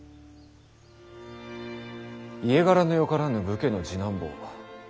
家柄のよからぬ武家の次男坊